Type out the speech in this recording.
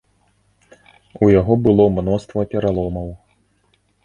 У яго было мноства пераломаў.